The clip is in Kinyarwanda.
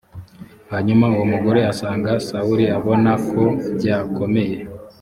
hanyuma uwo mugore asanga sawuli abona ko byakomeye